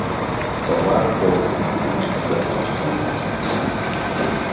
Vanwaar komen de gevoelens en de angst van die mensen?